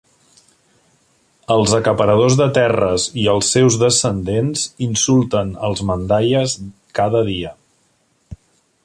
Els acaparadors de terres i els seus descendents insulten els mandaies cada dia.